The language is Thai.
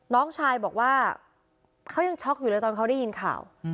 น้องชายบอกว่าเขายังช็อกอยู่เลยตอนเขาได้ยินข่าว